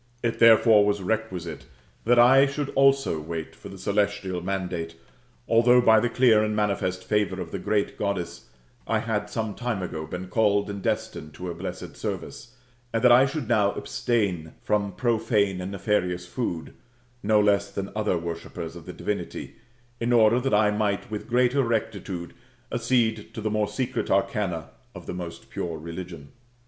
It therefore was requisite that I should also wait for the celestial mandate, although by the clear and manifest favour of the Goddess, I had some time ago been called and destined to her blessed service; and that I should now abstain from profane and nefarious food, no less than other worshippers of the divinity, in order that I might with greater rectitude accede to the more secret arcana of the most pure rtUgion.